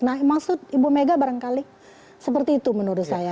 nah maksud ibu mega barangkali seperti itu menurut saya